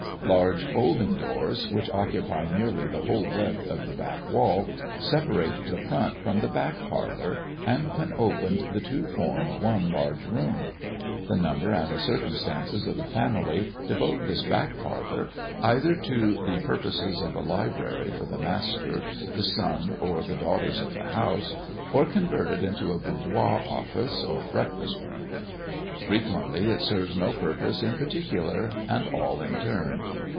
Large folding doors, which occupy nearly the whole breadth of the back wall, separate the front from the back parlour, and when opened, the two form one large room. The number and the circumstances of the family devote this back parlour either to the purposes of a library for the master, the son, or the daughters of the house, or convert it into a boudoir, office, or breakfast room. Frequently, it serves no purpose in particular, and all in turn.